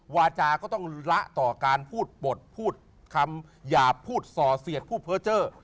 วาจาก็ต้องละต่อการพูดบทพูดคำอย่าพูดส่อเสียดผู้เผลอเจ้อ